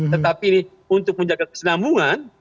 tetapi untuk menjaga kesenambungan